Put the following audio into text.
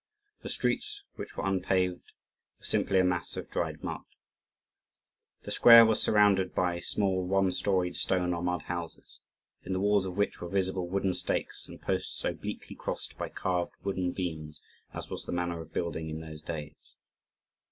The streets, which were unpaved, were simply a mass of dried mud. The square was surrounded by small, one storied stone or mud houses, in the walls of which were visible wooden stakes and posts obliquely crossed by carved wooden beams, as was the manner of building in those days.